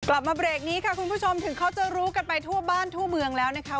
กลับมาเบรกนี้ค่ะคุณผู้ชมถึงเขาจะรู้กันไปทั่วบ้านทั่วเมืองแล้วนะคะ